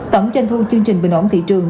tổng tranh thu chương trình bình ổn thị trường